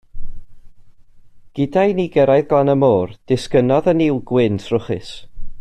Gyda i ni gyrraedd glan y môr, disgynnodd y niwl gwyn trwchus.